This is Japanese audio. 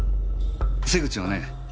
瀬口はね